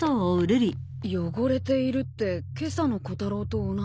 「汚れている」って今朝のコタロウと同じ。